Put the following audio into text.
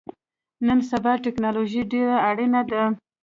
نن سبا ټکنالوژی ډیره اړینه ده